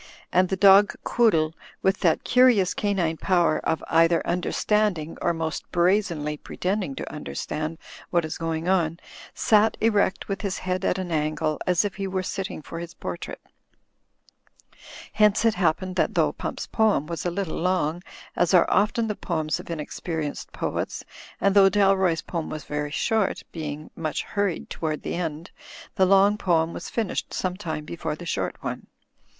And the dog Quoo dle, with that curious canine power of either under i84 THE FLYING INN standing or most brazenly pretending to understand what is going on, sat erect with his head at an angle, as if he were sitting for his portrait Hence it happened that though Pump's poem was a little long, as are often the poems of inexperienced poets, and though Dalroy's poem was very short (be ing much hurried toward the end)* the long poem was finished some time before the short one.